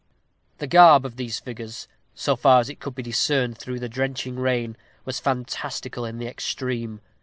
The garb of these figures, so far as it could be discerned through the drenching rain, was fantastical in the extreme.